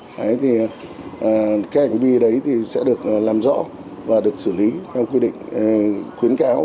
cái hành vi đấy sẽ được làm rõ và được xử lý theo quy định khuyến cáo